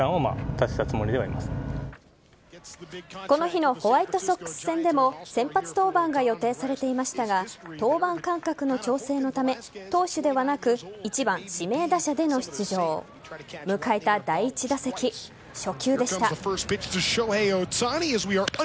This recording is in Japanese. この日のホワイトソックス戦でも先発登板が予定されていましたが登板間隔の調整のため投手ではなく１番・指名打者での出場。迎えた第１打席初球でした。